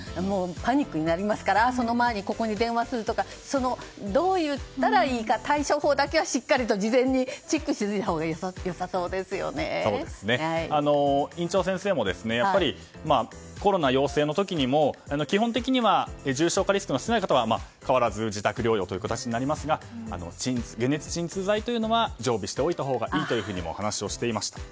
パニックになりますからその前にここに電話するとかどう言ったらいいか対処法だけはしっかりと事前にチェックしておいたほうが院長先生もやっぱりコロナ陽性の時にも基本的には重症化リスクの少ない方は変わらず自宅療養という形になりますが解熱鎮痛剤は常備しておいたほうがいいとお話をしていました。